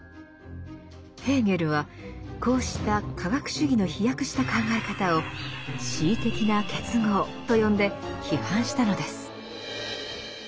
ヘーゲルはこうした科学主義の飛躍した考え方を「恣意的な結合」と呼んで批判したのです。